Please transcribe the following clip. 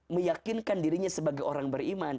meyakinkan dirinya sebagai orang beriman